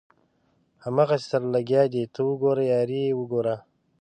هغسې سره لګیا دي ته وګوره یاري یې وګوره.